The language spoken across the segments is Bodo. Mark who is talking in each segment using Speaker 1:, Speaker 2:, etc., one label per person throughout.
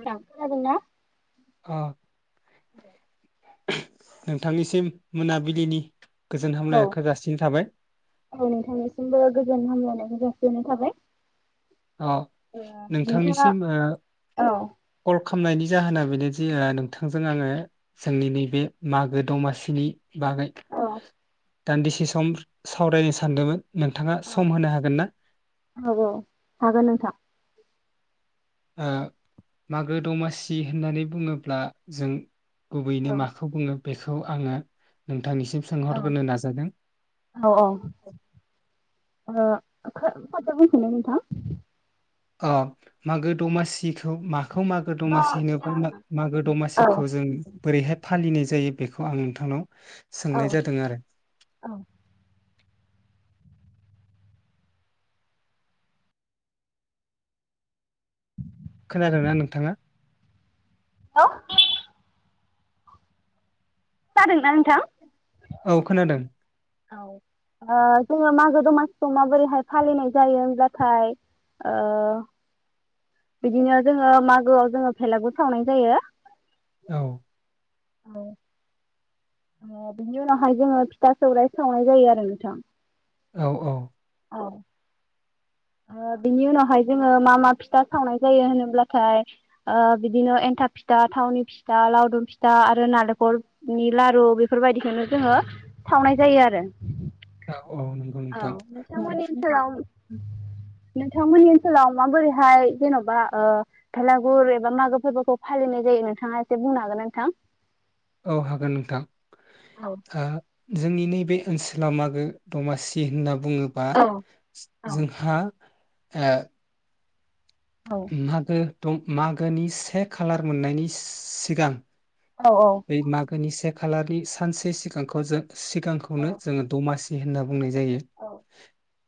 Speaker 1: खोनादोंना?
Speaker 2: अह। नोंथांनिसिम मोनाबिलिनि गोजोन
Speaker 1: औ
Speaker 2: हामलायनायखौ जासिनाय थाबाय
Speaker 1: औ नोंथांनिसिमबो गोजोन हामलायनाय खौ दोननो थाबाय ।
Speaker 2: अ नोंथांनिसिम
Speaker 1: औ
Speaker 2: ओ खालामनायनि जाहोना बेनो जे नोंथांजों आङो जोंनि नैबे मागो दमासिनि बागै
Speaker 1: औ
Speaker 2: दान्दिसे सम सावरायनो सानदोंमोन। नोंथाङा
Speaker 1: औ
Speaker 2: सम होनो हागोन ना?
Speaker 1: औ हागोन नोंथां ।
Speaker 2: ओ मागो गुबैयैनो
Speaker 1: औ
Speaker 2: माखौ बुङो बेखौ आङो नोंथांनिसिम
Speaker 1: औ
Speaker 2: सोंहरबोनो नाजादों
Speaker 1: औ ओ
Speaker 2: ।
Speaker 1: खो खनसे बुंफिनलाय नोंथां।
Speaker 2: अ मागो दमासिखौ मा खौ मागो दमासि होनोबा मागो
Speaker 1: औ
Speaker 2: दमासिखौ जों बोरैहाय फालिनाय जायो बेखौ आं नोंथांनाव
Speaker 1: औ
Speaker 2: सोंनाय जादों आरो ।
Speaker 1: [inaudible]
Speaker 2: खोनादों ना नोंथाङा?
Speaker 1: औ । खोनादोंना नोंथां?
Speaker 2: औ खोनादों
Speaker 1: औ ओ जोङो मागो दमासिखौ माबोरैहाय फालिनाय जायो होनब्लाथाय औ बिदिनो जोङो मागोआव जोङो भेलागुर सावनाय जायो ।
Speaker 2: औ ।
Speaker 1: औ । बिनि उनावहाय जोङो फिथा सौराय सावनाय जायो आरो नोंथां ।
Speaker 2: औ औ ।
Speaker 1: औ । ओ बिनि उनावहाय जोङो मा मा फिथा सावनाय जायो होनोब्लाथाय बिदिनो एन्थाब फिथा, थावनि फिथा, लावदुम फिथा आरो नालेंखलनि लारु बेफोरबायदिखौनो जोङो सावनाय जायो आरो
Speaker 2: औ । औ नंगौ नोंथां।
Speaker 1: नोंथांमोननि ओनसोलाव नोंथांमोननि ओनसोलाव माबोरैहाय जेन'बा भेलागुर एबा मागो फोरबोखौ फालिनाय जायो नोंथाङा एसे बुंनो हागोन नोंथां?
Speaker 2: औ हागोन नोंथां।
Speaker 1: औ
Speaker 2: आ जोंनि नैबे ओनसोलाव मागो दमासि होनना बुङोबा
Speaker 1: औ औ
Speaker 2: जोंहा ओ
Speaker 1: औ
Speaker 2: मागो- मागोनि से खालार मोननायनि सिगां
Speaker 1: औ -औ।
Speaker 2: गोनि से खालारनि सानसे सिगांखौ जों सिगांखौनो जोङो दमासि नै होनना बुंनाय जायो।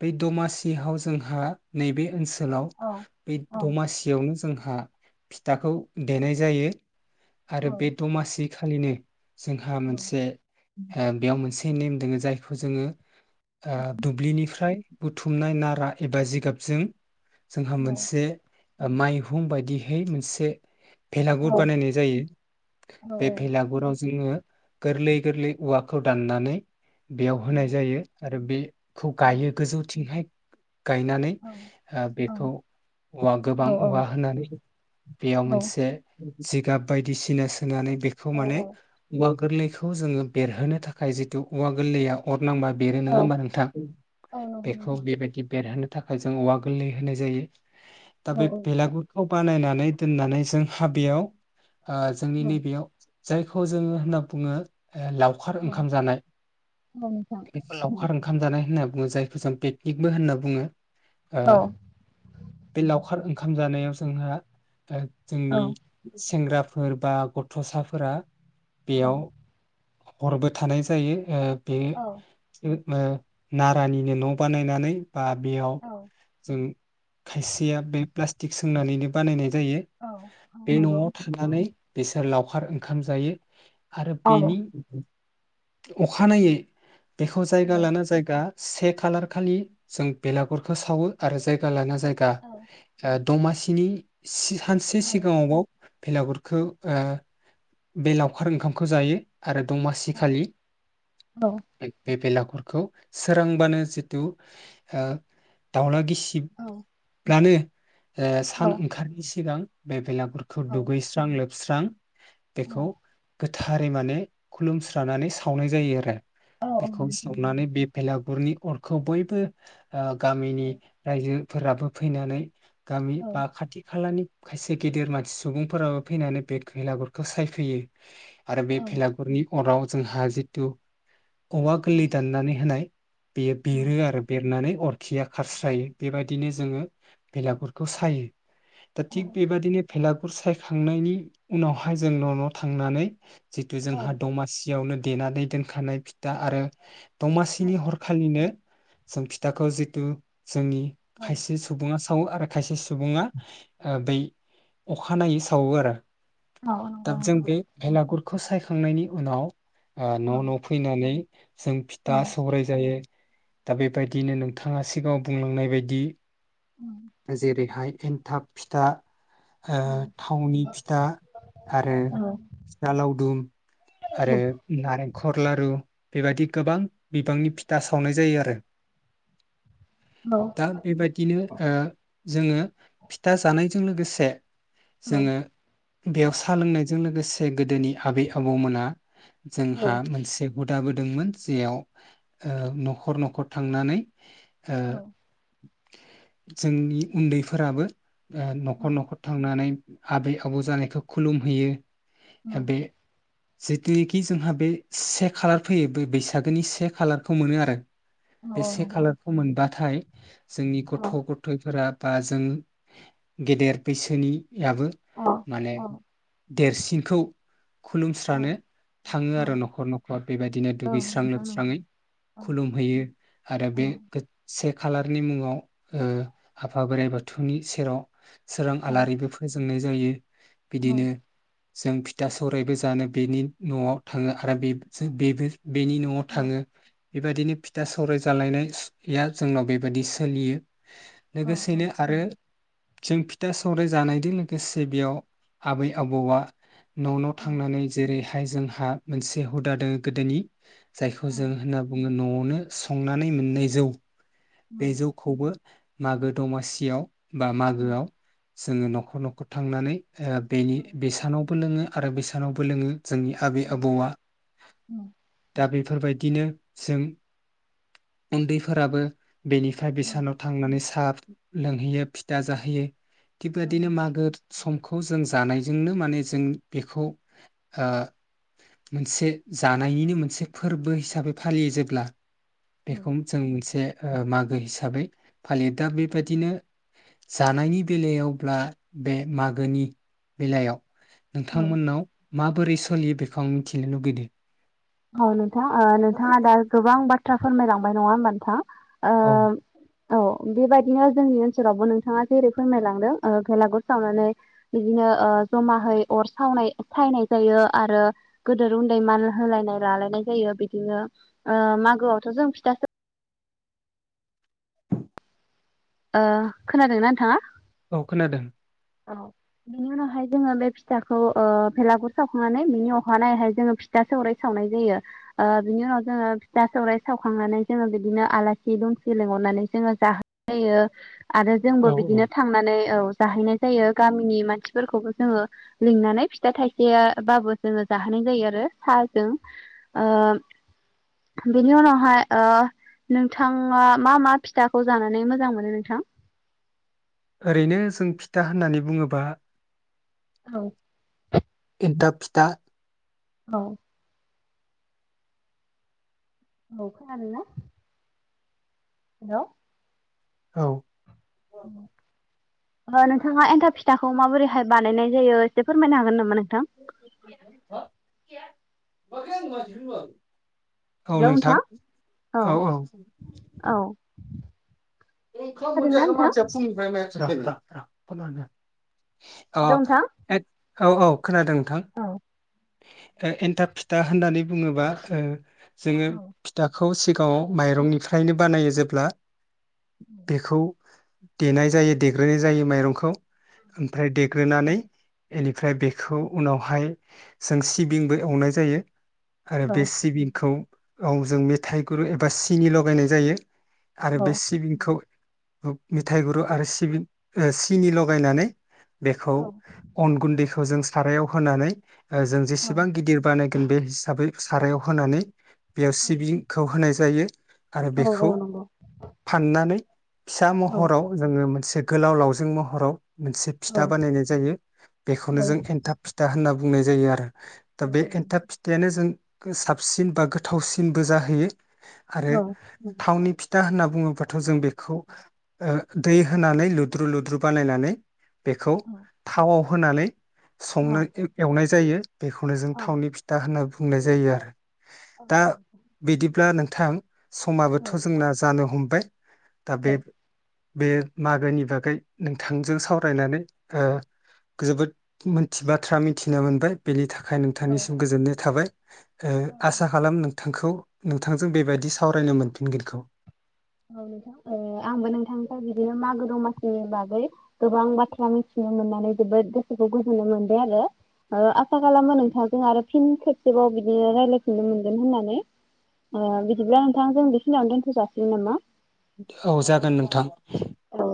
Speaker 2: बै दमासिहाव जोंहा नैबे ओनसो सोलाव
Speaker 1: औ
Speaker 2: बे
Speaker 1: औ
Speaker 2: दमासियावनो जोंहा आ फिथाखौ देनाय जायो।
Speaker 1: औ
Speaker 2: आरो बे दमासि बै खालिनो जोंहा मोनसे बेयाव मोनसे नेम दोङो जायखौ जोङो ओ‌ दुब्लिनिफ्राय बुथुमनाय नारा एबा जिगाबजों जोंहा मोनसे माइहुं बायदिहै मोनसे भेलागुर बानायनाय जायो। बे भेलागुराव जोङो गोरलै- गोरलै औवाखौ दाननानै बेयाव होनाय जायो। आरो बे खौ गायो गोजौथिंहाय गायनानै ओ बेखौ
Speaker 1: औ
Speaker 2: औवा
Speaker 1: औ
Speaker 2: गोबां औवा होनानै बेयाव
Speaker 1: औ
Speaker 2: मोनसे जिगाब बायदिसिना सोनानै खौ
Speaker 1: औ
Speaker 2: माने औवा गोरलैखौ जोङो बेरहोनो थाखाय जितु औवा गोरलैया अर नांबा बेरो
Speaker 1: औ
Speaker 2: नङा होमबा नोंथां
Speaker 1: औ नंगौ
Speaker 2: बेखौ
Speaker 1: नोंथां
Speaker 2: बेबायदि बेरहोनो थाखाय जों औवा गोरलै होनाय जायो थ
Speaker 1: औ
Speaker 2: बे
Speaker 1: औ
Speaker 2: भेलागुरखौ बानायनानै दोननानै जों हाबेयाव जोंनि
Speaker 1: औ
Speaker 2: नैबेयाव जायखौ जोङो होनना बुङो लावखार
Speaker 1: औ
Speaker 2: ओंखाम जानाय
Speaker 1: औ नोंथां
Speaker 2: लावखार ओंखाम जानाय होनना बुङो जायखौ जों पेकनिकबो होनना बुङो
Speaker 1: औ
Speaker 2: बे लावखार ओंखाम जानायाव जोंहा
Speaker 1: औ
Speaker 2: जोंनि सेंग्रा फोर बा गथ'सा फोरा
Speaker 1: औ
Speaker 2: बेयाव हरबो थानाय जायो बे
Speaker 1: औ
Speaker 2: नारानिनो न' बानायनानै बा बेयाव
Speaker 1: औ
Speaker 2: जों खायसेया बे प्लास्टिक सोंनानैनो बानायनाय जायो
Speaker 1: औ औ
Speaker 2: बे
Speaker 1: नंगौ
Speaker 2: न'आव थानानै बिसोर लावखार ओंखाम जायो आरो
Speaker 1: औ
Speaker 2: बेनि अखानायै बेखौ
Speaker 1: औ
Speaker 2: जायगा लाना जायगा से खालार खालि जों बेलागुरखौ सावो आरो जायगा लाना जायगा
Speaker 1: औ
Speaker 2: दमासिनि सानसे
Speaker 1: औ
Speaker 2: सिगाङावबाव बेलागुरखौ बे लावखार ओंखामखौ जायो आरो दमासि
Speaker 1: औ
Speaker 2: खालि
Speaker 1: औ
Speaker 2: बे बेला गुरखौ सोरांबानो जिथु दावला गिसि
Speaker 1: औ
Speaker 2: रब्लानो ओ सान
Speaker 1: नोंथां नंगौ
Speaker 2: ओंखार नि सिगां बे बेलाग गुरखौ
Speaker 1: औ
Speaker 2: दुगैस्रां लोब फोस्रां बेखौ गोद थारै माने खुलुमस्रानानै सावनाय जायो आरो। बेखौ सावनानै
Speaker 1: औ
Speaker 2: बे भलागुरनि अर'खौ बयबो ओ गामिनि रायजो फोराबो फैनानै गामि बा खाथि खालानि खायसे गेदिर मानसि सुबुंफोराबो फैनानै बेदबेलागुर खौ गसाय फैयो । आरो बे
Speaker 1: औ
Speaker 2: भेलागुरनि अराव जों हाजिथु औवा
Speaker 1: औ
Speaker 2: गोलै दाननानै होनाय बेयो बेरो आरो बेरनानै अरखिया खारस्रायो बेबायदिनो जोंङो बेलागुरखौ सायो। दा थिग बे बादिनो फेलाग गुफ सायखांनायनि उनाव हाय जों न' न' थांनानै जिथु जोंहा दमासियावनो देनानै दोनखानाय फिथा आरो दमासिनि हरखालिनो सों फिथाखौ जितु जोंनि खायसे सुबुंङा सावो आरो खायसे सुबुंङा बै अखानायै सावो आरो।
Speaker 1: नंगौ नोंथां
Speaker 2: दाब जों
Speaker 1: औ
Speaker 2: बे भेलागुर खौ सायखांनायनि उनाव आ न' न' फैनानै जों फिथा
Speaker 1: औ
Speaker 2: सौराय जायो। दा बेबायदिनो नोंथांङा सिगांङाव बुंलांनाय बायदि
Speaker 1: उम
Speaker 2: जेरै हाय एन्थाब फिथा ओ
Speaker 1: औ
Speaker 2: थावनि फिथा आरो
Speaker 1: औ
Speaker 2: फिथा लावदुम आरो नारें खर लारु बेबायदि गोबां बिबांनि फिथा सावनाय जायो आरो।
Speaker 1: नंगौ
Speaker 2: दा बेबादिनो जोङो फिथा जानायजों लोगोसे जोङो बेयाव सोलोंनाय बेजों लोगोसे गोदोनि आबै आबौमोना
Speaker 1: औ औ
Speaker 2: जोंहा मोनसे हुदाबोदोंमोन जेयाव ओ न'खर न'खर थांनानै ओ [inaudible] जोंनि उन्दैफोराबो ओ न'खर न'खर थांनानै आबै आबौ जानायखौ खुलुमहैयो आबे जिथुनिखि जोंहा बे से खालार फैयो बे बैसागोनि से खालारखौ मोनो आरो बे से खालारखौ मोनबा थाय जोंनि गथ' गथ फोरा बा जों गेदेर बैसोनि याबो माने
Speaker 1: औ
Speaker 2: देरसिनखौ खुलुमस्रानो थांङो
Speaker 1: औ औ
Speaker 2: आरो न'खर न'खर बेबायदिनो
Speaker 1: औ
Speaker 2: दुगैस्रां
Speaker 1: नोंथां नंगौ
Speaker 2: लोबस्राङै
Speaker 1: औ
Speaker 2: खुलुमहैयो आरो
Speaker 1: औ
Speaker 2: बे गो से खालारनि मुंङाव ओ आफा बोराइ बाथौनि सेराव सोरां
Speaker 1: औ
Speaker 2: आलारिबो फोजोंनाय जा जायो।
Speaker 1: औ
Speaker 2: बिदिनो जों फिथा सौरायबो जानो बिनि न'आव थांङो आरो बि जो बेबो बेनि न'आव
Speaker 1: औ
Speaker 2: थांङो। बेबायदिनो फिथा सौराय जालायनाया जोंनाव बेबायदि सोलियो
Speaker 1: औ औ
Speaker 2: लोगोसेनो आरो जों फिथा सौराय जानायजों लोगोसे बेयाव आबै आबौआ न' न'
Speaker 1: औ
Speaker 2: थांनानै जेरै हाय जोंहा मोनसे हुदा दोंङ गोदोनि। जायखौ जों होनना बुंङो न'आवनो संनानै मोननाय जौ।
Speaker 1: औ औ
Speaker 2: बे जौखौबो मागो दमासियाव बा मागोआव जोङो न'खर न'खर थांनानै ओ बेनि
Speaker 1: औ
Speaker 2: बेसानावबो लोङो आरो बेसानावबो लोङो जोंनि आबै
Speaker 1: औ
Speaker 2: आबौआ। दा बे फोरबायदिनो जों उन्दैफोराबो बेनिफ्राय बेसानाव थांनानै साहा लोंहैयो फिथा जाहैयो। थिग बेबादिनो मागो सम खौ जों जानायजोंनो माने जों बेखौ ओ मोनसे जानायनिनो मोनसे फोरबो हिसाबै फालियो जेब्ला बेखौ जों मोनसे ओ मागो हिसाबै फालियो। दा बेबायदिनो जानायनि बेलायावब्ला बे मागोनि बेलायाव
Speaker 1: औ
Speaker 2: नोंथांमोननाव माबोरै सोलियो बे
Speaker 1: औ नों थां नोंथाङा दा गोबां बा थ्रा फोरमायलांबाय नङा होनबा नोंथां?
Speaker 2: औ
Speaker 1: ओम औ बेबायदिनो जोंनि ओनसोलावबो नोंथाङा जेरै फोरमायलांदों ओ बेलागुर सावनानै बिदिनो ओ जमाहै अर सावनाय सायनाय जायो आरो गोदोर उन्दै मान होलायनाय लालायनाय जायो बिदिनो ओ मागोआवथ' जों फिथासो ओ खोनादोंना नोंथाङा?
Speaker 2: औ खोनादों।
Speaker 1: औ बिनि उनावहाय जोङो बे फिथाखौ ओ भेलागुर सावखांनानै बिनि अखानायैहाय जोङो फिथा सौराइ सावनाय जायो। ओ बिनि उनाव जोङो फिथा सौराइ सावखांनानै जोङो बिदिनो आलासि दुमसि लिंहरनानै जोङो जाहो यो। आरो जोंबो
Speaker 2: औ औ
Speaker 1: बिदिनो थांनानै औ। जाहैनाय जायो गामिनि मानसिफोरखौबो जोङो लिंनानै फिथा थाइसे बाबो जोङो जाहोनाय जायो आरो साहाजों। ओ बेनि उनावहाय ओ नोंथाङा मा मा फिथाखौ जानानै मोज जां मोनो नोंथां?
Speaker 2: ओरैनो जों फिथा होननानै बुङोबा
Speaker 1: औ।
Speaker 2: एनथाब फिथा
Speaker 1: औ। ओ खोनादों ना? हेल'
Speaker 2: औ।
Speaker 1: ओ नोंथाङा एन्थाब फिथाखौ माबोरैहाय बानायनाय जायो एसे फोरमायनो हागोन नामा
Speaker 2: [inaudible] [inaudible]
Speaker 1: नों
Speaker 2: औ नोंथां औ औ
Speaker 1: औ
Speaker 2: ओंखाम
Speaker 1: खोनादोंना
Speaker 2: मोनजायाखै
Speaker 1: नोंथां?
Speaker 2: मानसिया फुंनिफ्राय म [unintelligible]
Speaker 1: हेलौ नोंथां
Speaker 2: [unintelligible] औ औ खोनादों नोंथां एन्थाब फिथा होननानै बुङोबा ओ जोङो फिथाखौ सि ओव माइरंनिफ्रायनो बानायो जेब्ला बेखौ देनाय जायो देग्रोनाय जायो माइरंखौ ओमफ्राय देग्रोनानै एनि ओमफ्राय बेखौ उनावहाय जों सिबिंबो एवनाय जायो आरो बे सिबिंखौ औ जों मेथाइ गुरु एबा सिनि लगायनाय जायो आरो बे सिबिंखौ मिथायाइ गुरु आरो सिबि सिनि लगायनानै बेखौ अन गुन्दैखौ जों सारायाव होनानै जों जेसेबां गिदिरबानो बे हिसाबै सारायाव होनानै बेयाव सिबिंखौ होनाय जायो आरो बेखौ फाननानै फिसा महराव जोङो मोनसे गोलाव लावजों महराव। मोनसे फिथा बानायनाय जायो बेखौनो जों एन्थाब फिथा होनना बुं जायो आरो दा बे एनथाब फिथाइानो जों साबसिन बा गोथावसिनबो जाहैयो आरो दा होनना बुङोबाथ जों बेखौ दै होनानै लुद्रु लुद्रु बानायनानै बेखौ थावाव होनानै संनो एवनाय जायो बेखौनो जों थावनि फिथा होनना बु बुंनाय जायो आरो दा बिदिब्ला नों थां समाबोथ' जोंना जानो हम बाय दा बे बे मागोनि बागै नोंथांजों सावरायनानै ओ जोबोद मोनथि बाथ्रा मिथि नो मोनबाय बेनि थाख आखाय नोंथांनिसिम गोजोननाय थाबाय ओ आसा खालाम नोंथांखौ नोंथांजों बेबायदि सावरायनो मोनफिनगोनखौ
Speaker 1: औ नोंथां आंबो नोंथांनिफ्राय बिदिनो मागो दमासिनि बागै गोबां बाथ्रा मिथिनो मोननानै जोबोद गोसोखौ गोजोननाय मोनदों आरो ओआसा खालामो नोंथांजों आरो फिन खेबसेबाव बिदिनो रायजलायफिननो मोनगोन होननानै ओ बिदिब्ला नोंथांजों बेखिनियावनो दोनथ' जासिगोन नामा
Speaker 2: औ जागोन नोंथां
Speaker 1: औ